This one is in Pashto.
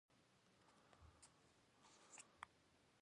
او کابل رېډيو سره ئې خپله مسلکي دنده جاري اوساتله